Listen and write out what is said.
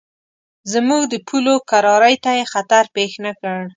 زموږ د پولو کرارۍ ته یې خطر پېښ نه کړ.